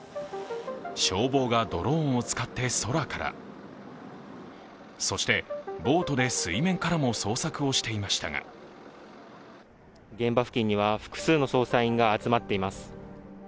消防がドローンを使って空から、そして、ボートで水面からも捜索をしていましたが現場付近には複数の捜査員が集まっています。